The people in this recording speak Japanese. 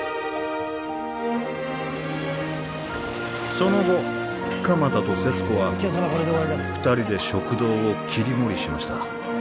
その後鎌田と勢津子は２人で食堂を切り盛りしました